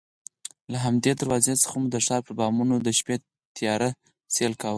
له همدې دروازې څخه مو د ښار پر بامونو د شپې تیاره سیل کاوه.